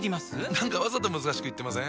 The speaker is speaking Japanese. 何かわざと難しく言ってません？